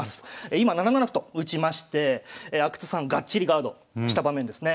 今７七歩と打ちまして阿久津さんがっちりガードした場面ですね。